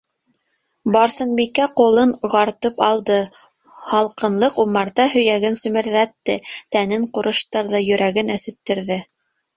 - Барсынбикә ҡулын гартып алды. һалҡынлыҡ умыртҡа һөйәген семерҙәтте, тәнен ҡурыштырҙы, йөрәген әсеттерҙе.